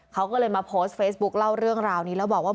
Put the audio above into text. เขาก็เลยมาโพสต์เฟซบุ๊คเล่าเรื่องราวนี้แล้วบอกว่า